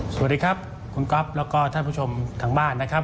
สวัสดีครับคุณก๊อฟแล้วก็ท่านผู้ชมทางบ้านนะครับ